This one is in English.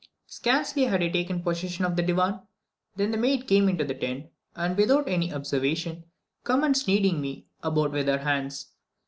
Scarcely had I taken possession of the divan, than the maid came into the tent, and, without any observation, commenced kneading me about with her hands.